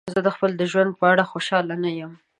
زه د خپل ژوند په اړه خوشحاله نه یم.